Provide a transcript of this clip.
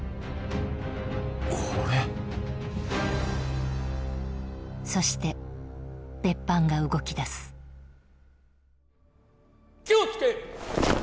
これそして別班が動きだす気をつけ！